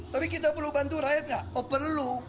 tapi kita perlu bantu rakyat nggak oh perlu